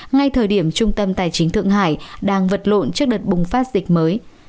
ngay thời điểm trung tâm tài chính thượng hải đang vật lộn trước đợt bùng phát dịch mới